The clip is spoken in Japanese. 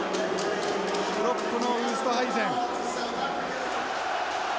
プロップのウーストハイゼン。